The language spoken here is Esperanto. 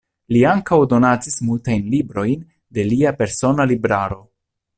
Li ankaŭ donacis multajn librojn de lia persona libraro.